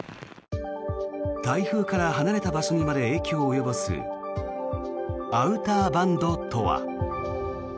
台風から離れた場所にまで影響を及ぼすアウターバンドとは。